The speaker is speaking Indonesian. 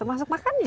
termasuk makan ya